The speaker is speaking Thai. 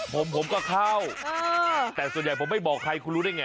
ผมผมก็เข้าแต่ส่วนใหญ่ผมไม่บอกใครคุณรู้ได้ไง